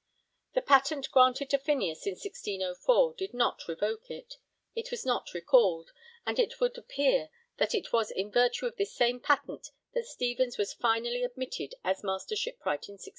The patent granted to Phineas in 1604 did not revoke it, it was not recalled, and it would appear that it was in virtue of this same patent that Stevens was finally admitted as Master Shipwright in 1613.